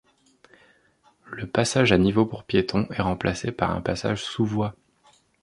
Le passage à niveaux pour piétons est remplacé par un passage sous-voies.